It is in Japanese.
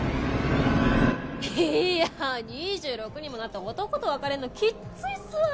いやあ２６にもなって男と別れるのきっついっすわ！